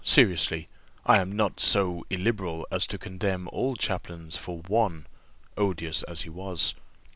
seriously, I am not so illiberal as to condemn all chaplains for one, odious as he was.